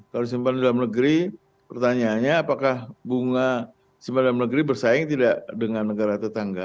kalau disimpan di dalam negeri pertanyaannya apakah bunga simpan dalam negeri bersaing tidak dengan negara tetangga